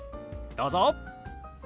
どうぞ！